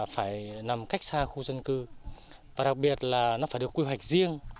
phải nằm cách xa khu dân cư và đặc biệt là nó phải được quy hoạch riêng